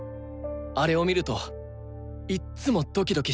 あれを見るといっつもドキドキしてた。